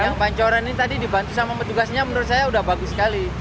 yang pancoran ini tadi dibantu sama petugasnya menurut saya sudah bagus sekali